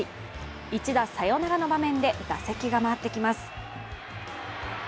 １打サヨナラの場面で打席が回ってきます。